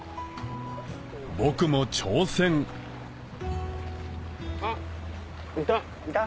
僕も挑戦あっいた。